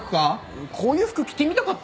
こういう服着てみたかった。